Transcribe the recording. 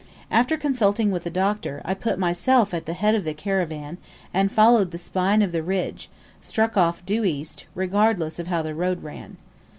After consulting with the Doctor, I put myself at the head of the caravan, and following the spine of the ridge, struck off due east, regardless of how the road ran.